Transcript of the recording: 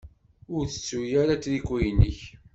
Ur tettu ara atriku-inek.